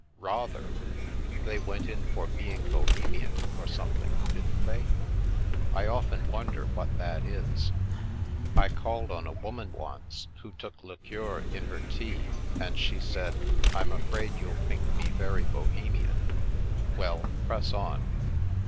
"Rather. They went in for 'being Bohemian' or something, didn't they? I often wonder what that is. I called on a woman once who took liqueur in her tea, and she said, 'I'm afraid you'll think me very Bohe mian/ Well, press on."